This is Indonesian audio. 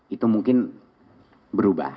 itu mungkin berubah